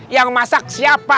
yang masak siapa